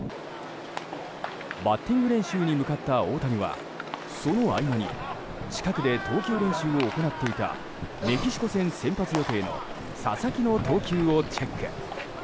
バッティング練習に向かった大谷は、その合間に近くで投球練習を行っていたメキシコ戦先発予定の佐々木の投球をチェック。